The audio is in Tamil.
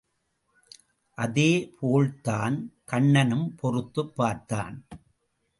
அதே போல்தான் கண்ணனும் பொறுத்துப் பார்த்தான்.